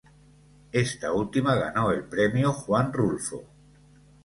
Esta última ganó el Premio Juan Rulfo.